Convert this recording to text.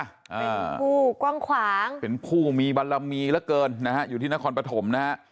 เป็นผู้กว้างขวางเป็นผู้มีบารมีเหลือเกินนะฮะอยู่ที่นครปฐมนะฮะ